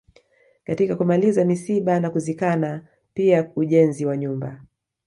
Katika kumaliza misiba na kuzikana pia ujenzi wa nyumba